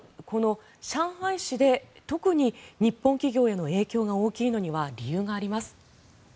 この上海市で特に日本企業への影響が大きいのには理由があります。